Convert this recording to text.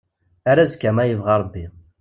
Ar azekka ma yebɣa Rebbi.